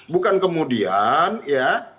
bukan kemudian ya